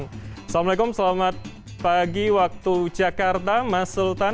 assalamualaikum selamat pagi waktu jakarta mas sultan